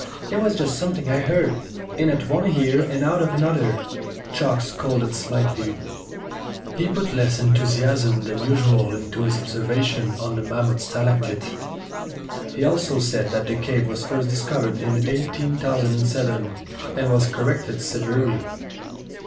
"It was just something I heard in at one ear and out of another." Chalk scowled slightly. He put less enthusiasm than 30 STORIES WITHOUT TEARS usual into his observations on the mammoth stalactite. He also said that the cave was first discovered in eighteen thousand and seven, and was corrected se verely.